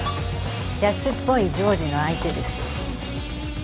安っぽい情事の相手です。